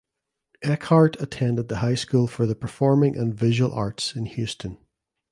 Eckhardt attended the High School for the Performing and Visual Arts in Houston.